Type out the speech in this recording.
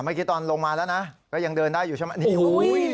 เมื่อกี้ตอนลงมาแล้วนะก็ยังเดินได้อยู่ใช่ไหมนี่